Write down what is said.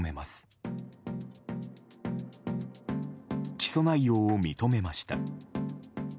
起訴内容を認めました。